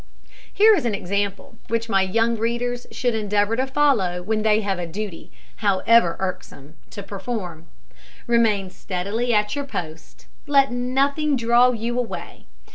Here is an example which my young readers should endeavour to follow when they have a duty, however irksome, to perform. Remain steadily at your post; let nothing draw you away.